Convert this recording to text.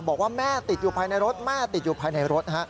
บอกว่าแม่ติดอยู่ภายในรถแม่ติดอยู่ภายในรถ